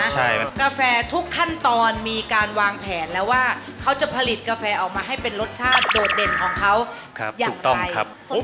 ใช่ครับกาแฟทุกขั้นตอนมีการวางแผนแล้วว่าเขาจะผลิตกาแฟออกมาให้เป็นรสชาติโดดเด่นของเขาอย่างไร